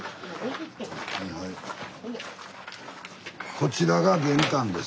こちらが玄関です。